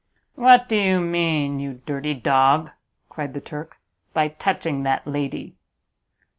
"What do you mean, you dirty dog," cried the Turk, "by touching that lady?"